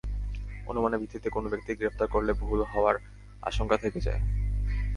অনুমানের ভিত্তিতে কোনো ব্যক্তিকে গ্রেপ্তার করলে ভুল হওয়ার আশঙ্কা থেকে যায়।